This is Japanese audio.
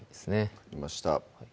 分かりました